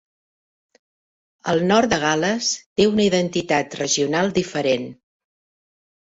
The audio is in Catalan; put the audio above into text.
El nord de Gal·les té una identitat regional diferent.